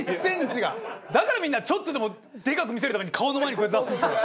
だからみんなちょっとでもでかく見せるために顔の前にこうやって出すんですよ。